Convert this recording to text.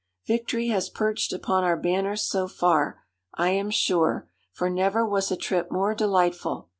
'Victory has perched upon our banners so far, I am sure, for never was a trip more delightful.